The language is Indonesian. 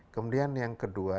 kemudian yang kedua